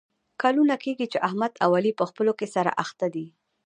کلونه کېږي چې احمد او علي په خپلو کې سره اخته دي.